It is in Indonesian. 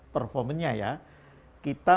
performanya ya kita